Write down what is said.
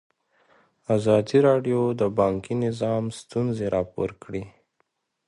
ازادي راډیو د بانکي نظام ستونزې راپور کړي.